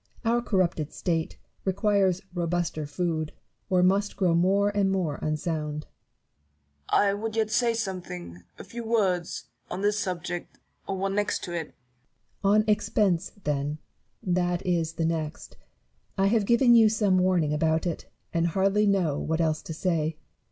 Our corrupted state requires robuster food, or must grow more and more unsound. Newton. I would yet say something ; a few words ; on this subject — or one next to it. Barrow. On Expense, then : that is the next. I have given you some warning about it, and hardly know what else to say.